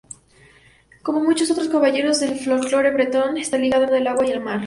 Como mucho otros caballos del folclore bretón, está ligado al agua y al mar.